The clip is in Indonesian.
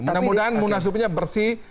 mudah mudahan munaslupnya bersih